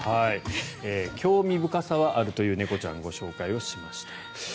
興味深さはあるという猫ちゃんをご紹介しました。